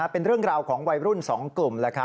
เป็นเรื่องราวของวัยรุ่น๒กลุ่ม